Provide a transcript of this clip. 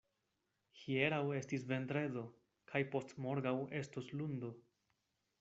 Hieraŭ estis vendredo, kaj post-morgaŭ estos lundo.